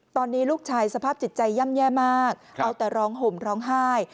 ตอนนี้ลูกชายสภาพจิตใจย่ำแย่มากเอาแต่ร้องห่มร้องไห้